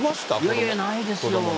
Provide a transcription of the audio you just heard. いやいや、ないですよ。